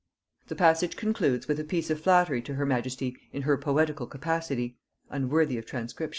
The passage concludes with a piece of flattery to her majesty in her poetical capacity, unworthy of transcription.